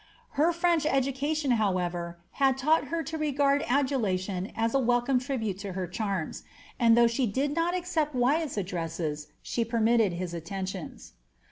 Her French education, however, had taught her to regard adulation as a welcome tribute to her charms ; and though she did not accept Wyatt's addresses, she permitted his attentions.